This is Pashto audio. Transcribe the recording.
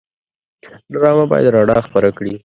ډرامه باید رڼا خپره کړي